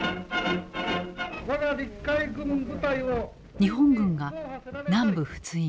日本軍が南部仏印